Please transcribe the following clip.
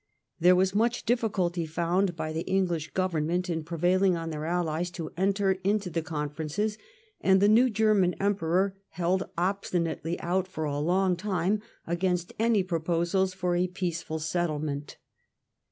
There was much difficulty found by the English Government in prevailing on their allies to enter into the confer ences, and the new German Emperor held obstin ately out for a long time against any proposals for a peaceful settlement.